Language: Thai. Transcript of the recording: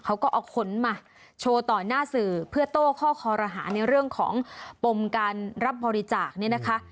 เขาก็เอาขนมาโชว์ต่อหน้าสื่อเพื่อโต้ข้อคอรหาในเรื่องของปมการรับบริจาคเนี่ยนะคะ